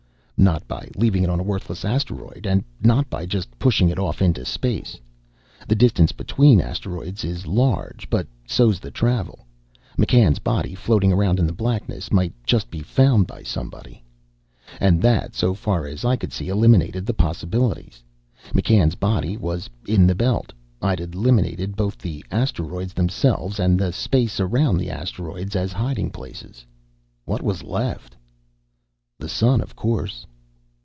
Not by leaving it on a worthless asteroid, and not by just pushing it off into space. The distance between asteroids is large, but so's the travel. McCann's body, floating around in the blackness, might just be found by somebody. And that, so far as I could see, eliminated the possibilities. McCann's body was in the Belt. I'd eliminated both the asteroids themselves and the space around the asteroids as hiding places. What was left? The sun, of course.